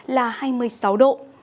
là hai mươi sáu độ